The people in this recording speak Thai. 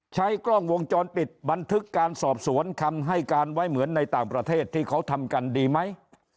ใช้กล้องวงจรปิดบันทึกการสอบสวนคำให้การไว้เหมือนในต่างประเทศที่เขาทำกันดีไหม